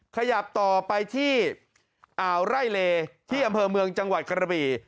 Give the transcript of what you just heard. ขยับต่อไปที่อ่าวไร่เลที่อำเภอเมืองจังหวัดกระบี่